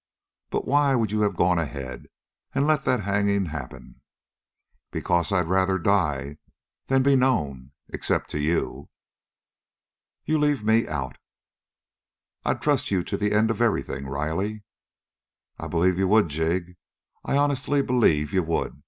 But why would you have gone ahead and let that hanging happen?" "Because I had rather die than be known, except to you." "You leave me out." "I'd trust you to the end of everything, Riley." "I b'lieve you would, Jig I honest believe you would!